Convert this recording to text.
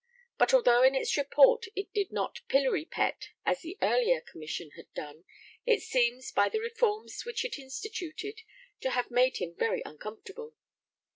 But although in its Report it did not pillory Pett as the earlier Commission had done, it seems, by the reforms which it instituted, to have made him very uncomfortable.